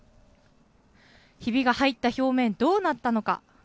ひびが入った表面、どうなったのか。